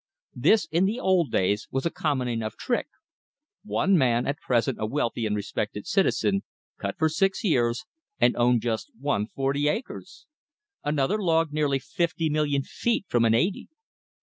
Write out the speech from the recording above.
This in the old days was a common enough trick. One man, at present a wealthy and respected citizen, cut for six years, and owned just one forty acres! Another logged nearly fifty million feet from an eighty!